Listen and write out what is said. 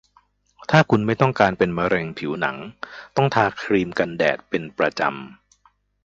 ถ้าคุณไม่ต้องการเป็นมะเร็งผิวหนัง ต้องทาครีมกันแดดเป็นประจำ